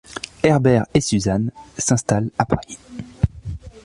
Herbert et Suzanne s'installent à Paris.